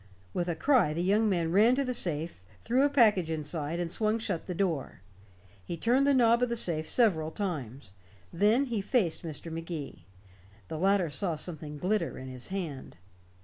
With a cry the young man ran to the safe, threw a package inside, and swung shut the door. He turned the knob of the safe several times; then he faced Mr. Magee. The latter saw something glitter in his hand.